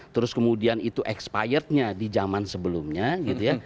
terus kemudian itu expirednya di zaman sebelumnya gitu ya